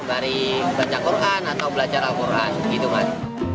dari belajar al quran gitu mas